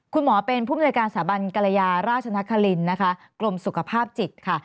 คุณหมอเป็นผู้มนวยการสถาบันกรยาราชนครินนะคะกรมสุขภาพจิตค่ะ